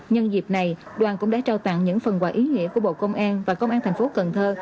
nhân dịp này đoàn cũng đã trao tặng những phần quà ý nghĩa của bộ công an và công an thành phố cần thơ